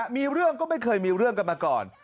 มีเรื่องก็ไม่เคยมีเรื่องกันมาก่อน